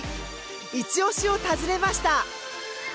いちオシを尋ねました。